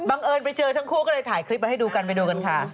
เอิญไปเจอทั้งคู่ก็เลยถ่ายคลิปมาให้ดูกันไปดูกันค่ะ